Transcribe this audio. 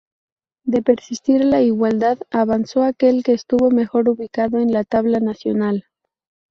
De persistir la igualdad, avanzó aquel que estuvo mejor ubicado en la tabla nacional.